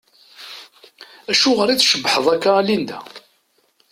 Acuɣeṛ i tcebbḥeḍ akka a Linda?